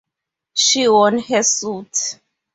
She won her suit.